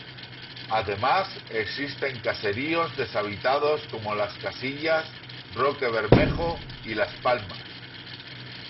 Además existen caseríos deshabitados como Las Casillas, Roque Bermejo y Las Palmas.